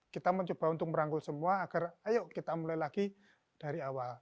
kita mencoba untuk merangkul semua agar ayo kita mulai lagi dari awal